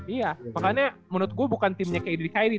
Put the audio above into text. iya makanya menurut gua bukan timnya kyrie